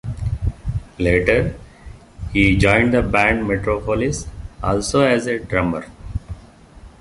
Later, he joined the band "Metropolis," also as a drummer.